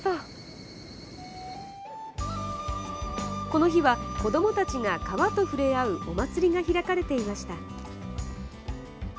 この日は、子どもたちが川と触れ合うお祭りが開かれていました。